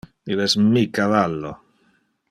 Il es mi cavallo.